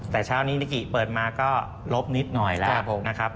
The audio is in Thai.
แต่เช้านี้นิกิเปิดมาก็ลบนิดหน่อยแล้วนะครับ